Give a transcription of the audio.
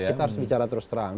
kita harus bicara terus terang